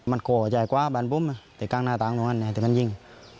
มันก่อใจกว้าบ้านผมแต่กลางหน้าต่างตรงนั้นมันยิง